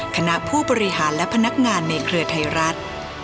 คณะผู้บริหารและพนักงานในเครือไทยรัฐ